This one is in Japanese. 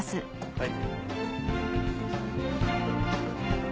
はい。